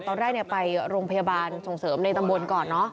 ตอนแรกไปโรงพยาบาลส่งเสริมในตำบลก่อนเนอะ